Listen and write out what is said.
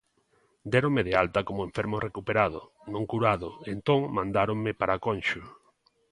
"Déronme de alta como enfermo recuperado, non curado, e entón mandáronme para Conxo;"